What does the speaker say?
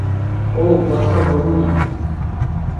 ও কথা বোলো না।